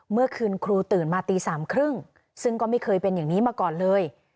เมื่อคืนครูตื่นมาตี๓๓๐ซึ่งก็ไม่เคยเป็นอย่างนี้มาก่อนเลย